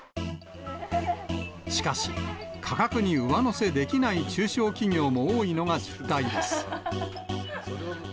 しかし、価格に上乗せできない中小企業も多いのが実態です。